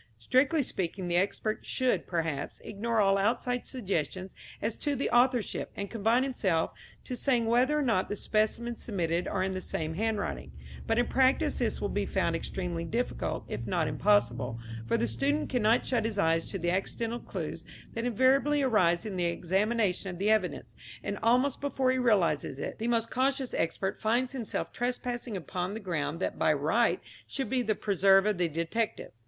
Strictly speaking the expert should, perhaps, ignore all outside suggestions as to the authorship, and confine himself to saying whether or not the specimens submitted are in the same handwriting; but in practice this will be found extremely difficult, if not impossible, for the student cannot shut his eyes to the accidental clues that invariably arise in the examination of the evidence, and almost before he realizes it, the most cautious expert finds himself trespassing upon ground that by right should be the preserve of the detective.